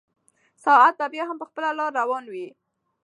ساعت به بیا هم په خپله لاره روان وي.